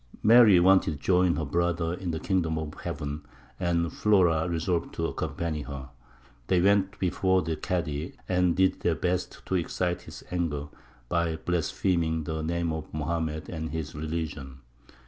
Mary wanted to join her brother in the kingdom of heaven, and Flora resolved to accompany her. They went before the Kādy and did their best to excite his anger by blaspheming the name of Mohammed and his religion.